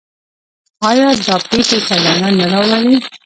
آیا دا پیښې سیلانیان نه راوړي؟